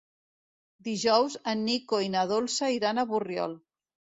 Dijous en Nico i na Dolça iran a Borriol.